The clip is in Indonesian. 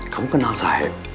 kamu kenal saeb